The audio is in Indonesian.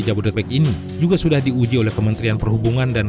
jembatan bentang lengkung lrt